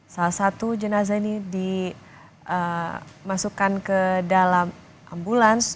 salah satu jenazah ini dimasukkan ke dalam ambulans